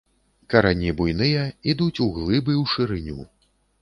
Карані буйныя, ідуць углыб і ў шырыню.